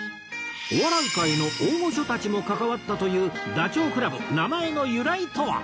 お笑い界の大御所たちも関わったというダチョウ倶楽部名前の由来とは？